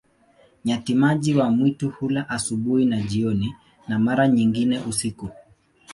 Nyati-maji wa mwitu hula asubuhi na jioni, na mara nyingine usiku.